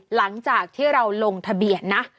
หลังจากที่เราลงทะเบียนนะ